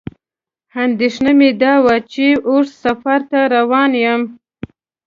اندېښنه مې دا وه چې اوږد سفر ته روان یم.